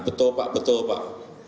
betul pak betul pak